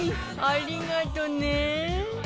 ありがとね！